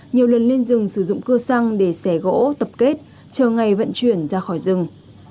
nhiều lần lên rừng sử dụng cưa xăng để xẻ gỗ tập kết chờ ngày vận chuyển ra khỏi rừng